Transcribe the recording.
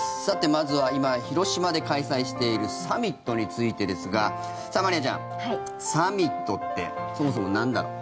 まずは今、広島で開催しているサミットについてですがまりあちゃん、サミットってそもそもなんだろう？